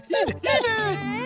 うん！